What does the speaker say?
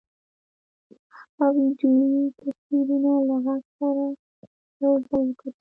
هغه ویډیويي تصویرونه له غږ سره یو ځای وکتل